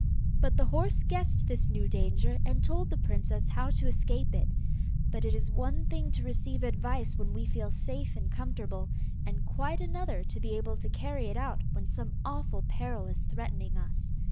But the horse guessed this new danger and told the princess how to escape it. But it is one thing to receive advice when we feel safe and comfortable, and quite another to be able to carry it out when some awful peril is threatening us.